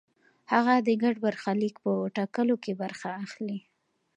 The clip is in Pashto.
هغه د ګډ برخلیک په ټاکلو کې برخه اخلي.